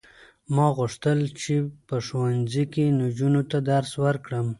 ما غوښتل چې په ښوونځي کې نجونو ته درس ورکړم.